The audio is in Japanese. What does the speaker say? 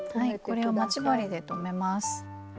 ここを待ち針で留めます。